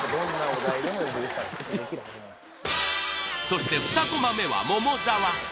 そして２コマ目は桃沢